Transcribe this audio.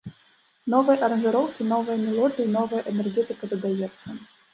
Новыя аранжыроўкі, новыя мелодыі, новая энергетыка дадаецца.